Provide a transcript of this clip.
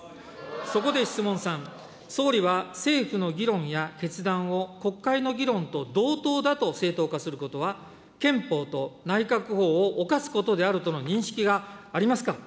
そこで質問３、総理は政府の議論や決断を国会の議論と同等だと正当化することは、憲法と内閣法を犯すことであるとの認識がありますか。